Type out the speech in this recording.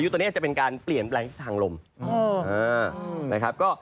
ตอนนี้อันจะเป็นการเปลี่ยนแปลงทางฮุฮัลแทน